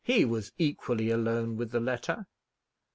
"He was equally alone with the letter."